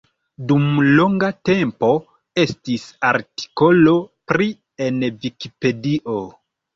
Dum longa tempo estis artikolo pri en Vikipedio.